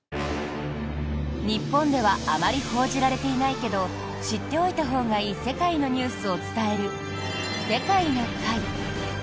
日本ではあまり報じられていないけど知っておいたほうがいい世界のニュースを伝える「世界な会」。